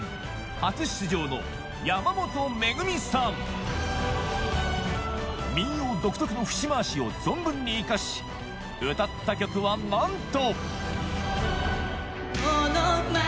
初出場の民謡独特の節回しを存分に生かし歌った曲はなんと